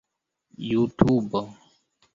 jutubo